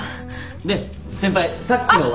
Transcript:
で先輩さっきのは。